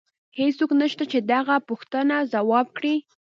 هیڅوک نشته چې د هغه پوښتنه ځواب کړي